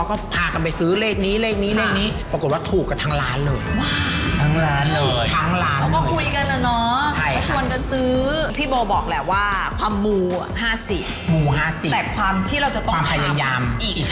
ก็ความมู๕๐แต่ความที่เราจะต้องทำอีก๕๐ความพยายาม